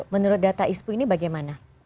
menurut data ispu ini bagaimana